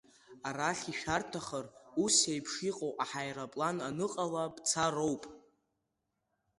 Арахь ишәарҭахар, ус еиԥш иҟоу аҳаирплан аныҟала бцароуп!